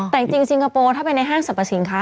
แต่จริงซิงคโปร์ถ้าเป็นในห้างสรรพสินค้า